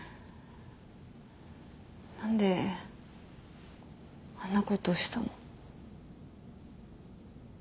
何であんなことしたの？